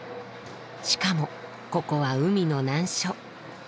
しかもここは海の難所。